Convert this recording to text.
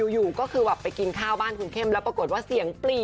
อยู่ก็คือแบบไปกินข้าวบ้านคุณเข้มแล้วปรากฏว่าเสียงปลี